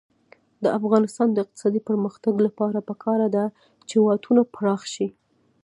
د افغانستان د اقتصادي پرمختګ لپاره پکار ده چې واټونه پراخ شي.